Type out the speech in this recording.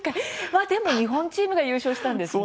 まあでも、日本チームが優勝したんですね。